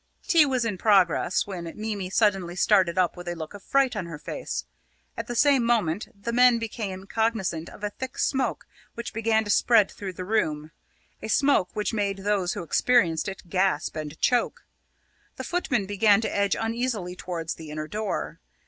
Tea was in progress when Mimi suddenly started up with a look of fright on her face; at the same moment, the men became cognisant of a thick smoke which began to spread through the room a smoke which made those who experienced it gasp and choke. The footmen began to edge uneasily towards the inner door.